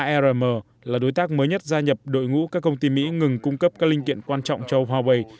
arm là đối tác mới nhất gia nhập đội ngũ các công ty mỹ ngừng cung cấp các linh kiện quan trọng cho huawei